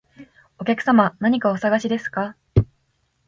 お客様、何かお探しですか？